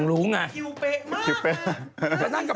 แม่เมย์ยังไม่มา